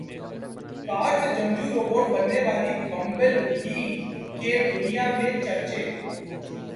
کار سے جنگجو روبوٹ بننے والی بمبل بی کے دنیا میں چرچے